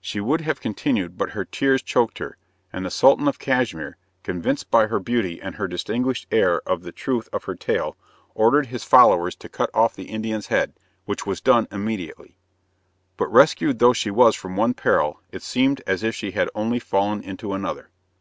She would have continued, but her tears choked her, and the Sultan of Cashmere, convinced by her beauty and her distinguished air of the truth of her tale, ordered his followers to cut off the Indian's head, which was done immediately. But rescued though she was from one peril, it seemed as if she had only fallen into another.